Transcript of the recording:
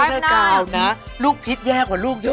แม่กาวนะลูกพิษแย่กว่าลูกเยอะ